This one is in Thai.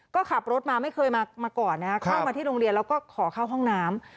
ก็ขับรถมาไม่เคยมาก่อนนะฮะเข้ามาที่โรงเรียนแล้วก็ขอเข้าห้องน้ำ